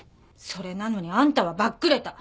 それなのにあんたはばっくれた。